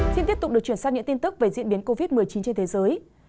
xin tiếp tục được chuyển sang những tin tức về diễn biến covid một mươi chín trên thế giới